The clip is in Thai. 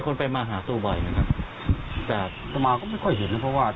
แล้วที่วัดนี้มีการจัดงานบุญหรืออะไร